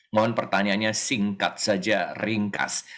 mohon pertanyaannya singkat saja ringkas